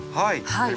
はい。